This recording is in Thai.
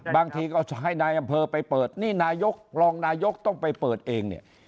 บางทีก็ให้นายอำเภอไปเปิดนี่นายกรองนายกต้องไปเปิดเองเนี่ย